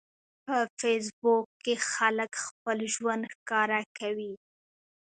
په فېسبوک کې خلک خپل ژوند ښکاره کوي.